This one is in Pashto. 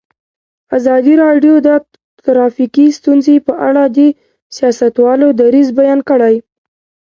ازادي راډیو د ټرافیکي ستونزې په اړه د سیاستوالو دریځ بیان کړی.